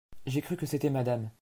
J’ai cru que c’était madame.